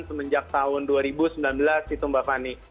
semenjak tahun dua ribu sembilan belas gitu mbak fani